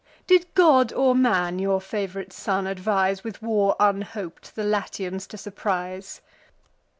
Did god or man your fav'rite son advise, With war unhop'd the Latians to surprise?